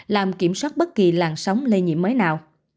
làm kiểm soát bất kỳ làn sóng lây nhiễm mới nào